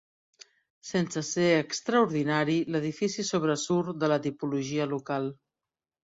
Sense ser extraordinari, l'edifici sobresurt de la tipologia local.